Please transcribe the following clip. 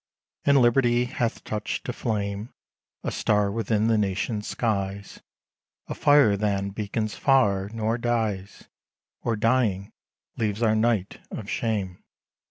And Liberty hath touched to flame A star within the nations' skies ; A fire than beacons far, nor dies; Or, dying, leaves our night of shame.